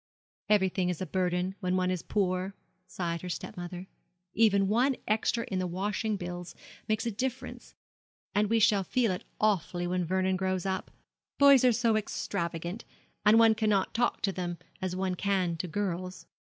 'Everything is a burden when one is poor,' sighed her stepmother; 'even one extra in the washing bills makes a difference; and we shall feel it awfully when Vernon grows up. Boys are so extravagant; and one cannot talk to them as one can to girls.'